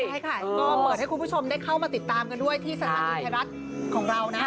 ใช่ค่ะก็เปิดให้คุณผู้ชมได้เข้ามาติดตามกันด้วยที่สถานีไทยรัฐของเรานะ